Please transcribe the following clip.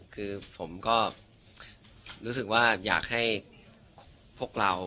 คือผมก็รู้สึกว่าอยากให้พวกเรา